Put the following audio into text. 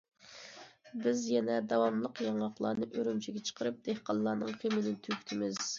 بىز يەنە داۋاملىق ياڭاقلارنى ئۈرۈمچىگە چىقىرىپ، دېھقانلارنىڭ غېمىنى تۈگىتىمىز.